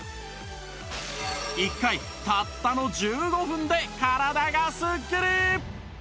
１回たったの１５分で体がスッキリ！